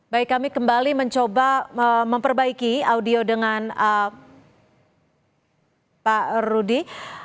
baik kami kembali mencoba memperbaiki audio dengan pak rudi